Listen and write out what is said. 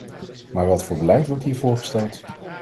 Maar wat voor beleid wordt hier voorgesteld?